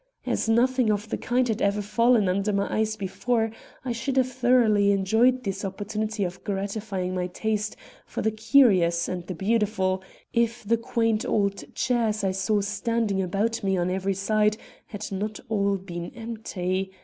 As nothing of the kind had ever fallen under my eyes before, I should have thoroughly enjoyed this opportunity of gratifying my taste for the curious and the beautiful, if the quaint old chairs I saw standing about me on every side had not all been empty.